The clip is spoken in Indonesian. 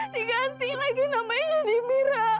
diganti lagi namanya di mira